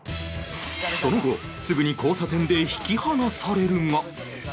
その後すぐに交差点で引き離されるが